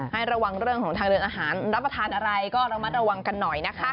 ให้ระวังเรื่องของทางเดินอาหารรับประทานอะไรก็ระมัดระวังกันหน่อยนะคะ